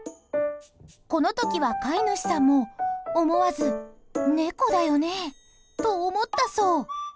この時は飼い主さんも、思わず猫だよね？と思ったそう。